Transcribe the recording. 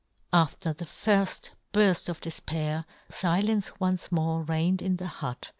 After the firft burft of defpair, fi lence once more reigned in the hut.